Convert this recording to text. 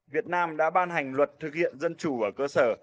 việt nam đã ban hành luật thực hiện dân chủ ở cơ sở